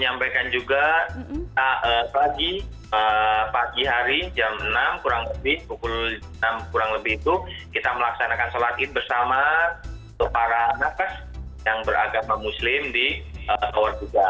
sampaikan juga pagi hari jam enam kurang lebih pukul enam kurang lebih itu kita melaksanakan sholat bersama para nafas yang beragama muslim di keluarga